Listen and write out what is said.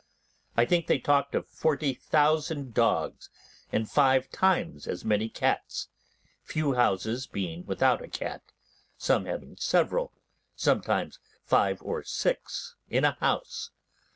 I think they talked of forty thousand dogs, and five times as many cats; few houses being without a cat, some having several, sometimes five or six in a house.